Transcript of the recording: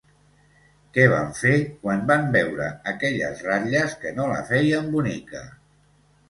Què van fer quan van veure aquelles ratlles que no la feien bonica?